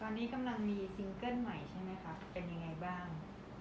ตอนนี้กำลังมีซิงเกิ้ลใหม่ใช่ไหมคะเป็นยังไงบ้าง